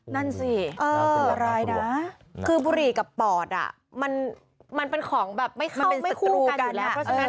นั่นสิอันตรายนะคือบุหรี่กับปอดมันเป็นของแบบไม่เข้าไม่คุ้มกันอยู่แล้ว